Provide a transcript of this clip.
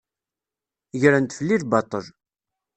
Gren-d fell-i lbaṭel.